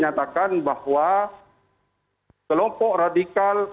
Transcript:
siapa yang dipaparkan dari jaringan